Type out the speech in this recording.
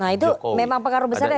nah itu memang pengaruh besar ada